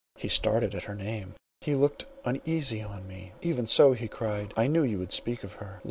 He started at her name,—he looked uneasily on me. "Even so," he cried, "I knew you would speak of her.